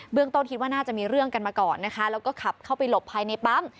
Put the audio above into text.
ต้นคิดว่าน่าจะมีเรื่องกันมาก่อนนะคะแล้วก็ขับเข้าไปหลบภายในปั๊ม